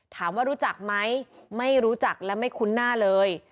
ถามว่ารู้จักไหมไม่รู้จักและไม่คุ้นหน้าเลย